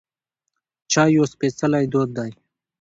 چای یو سپیڅلی دود دی.